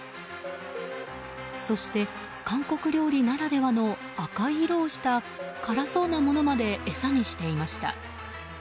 そして、韓国料理ならではの赤い色をした辛そうなものまで餌にしていました。